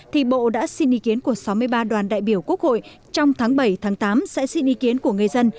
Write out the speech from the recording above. thì bộ đã xin ý kiến của sáu mươi ba đoàn đại biểu quốc hội trong tháng bảy tám sẽ xin ý kiến của người dân